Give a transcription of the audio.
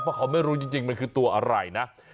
เพราะเขาไม่รู้จริงมันคือตัวอะไรนะ